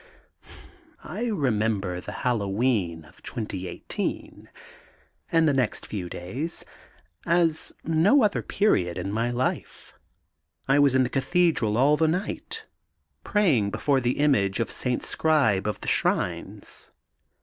I remember the Halloween of 2018, and the next few days, as no other period in my life. I was in the Cathedral all the night, praying before the Image of St. Scribe of the Shrines.